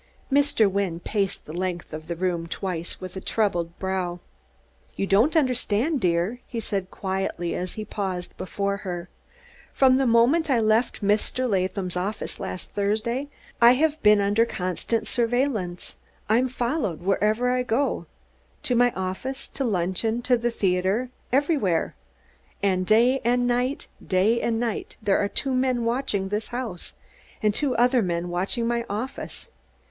Mr. Wynne paced the length of the room twice, with troubled brow. "You don't understand, dear," he said quietly, as he paused before her. "From the moment I left Mr. Latham's office last Thursday I have been under constant surveillance. I'm followed wherever I go to my office, to luncheon, to the theater, everywhere; and day and night, day and night, there are two men watching this house, and two other men watching at my office.